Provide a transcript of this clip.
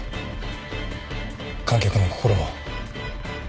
観客の心を。